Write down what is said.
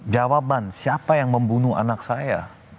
jawaban siapa yang membunuh anak saya